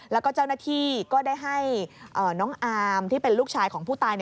แล้วก็เจ้าหน้าที่ก็ได้ให้น้องอามที่เป็นลูกชายของผู้ตาย